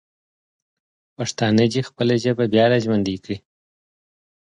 پښتانه دې خپله ژبه بیا راژوندی کړي.